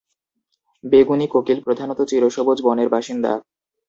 বেগুনি কোকিল প্রধানত চিরসবুজ বনের বাসিন্দা।